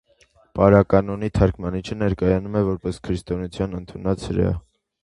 Պարականոնի թարգմանիչը ներկայանում է որպես քրիստոնեություն ընդունած հրեա։